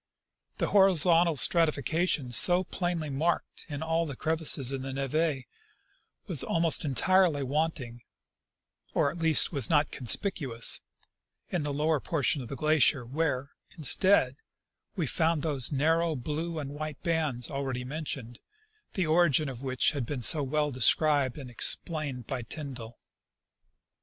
The horizontal stratification so plainly marked in all the crevasses in the neve was almost entirely wanting, or at least was not conspicuous, in the lower portion of the glacier, where, instead, we found those narrow blue and white bands already mentioned, the origin of which has been so well described and explained by Tyndall.